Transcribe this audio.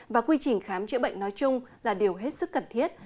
và quy trình khám chữa bệnh nói chung là điều hết sức cần thiết